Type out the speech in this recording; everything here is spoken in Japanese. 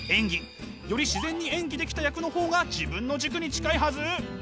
より自然に演技できた役の方が自分の軸に近いはず！